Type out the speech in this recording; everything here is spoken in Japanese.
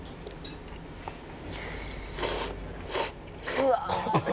「うわ」